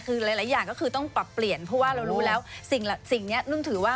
ก็เอาออกไปเช่นกัน